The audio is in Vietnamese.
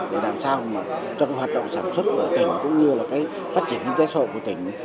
để làm sao mà cho cái hoạt động sản xuất của tỉnh cũng như là cái phát triển kinh tế xã hội của tỉnh